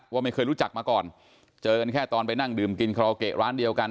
ว่าไม่เคยรู้จักมาก่อนเจอกันแค่ตอนไปนั่งดื่มกินคาราโอเกะร้านเดียวกัน